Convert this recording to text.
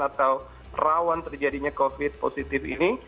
atau rawan terjadinya covid positif ini